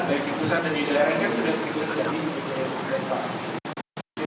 bagi pusat dan di daerahnya sudah sering terjadi